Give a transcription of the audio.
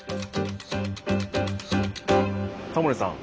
タモリさん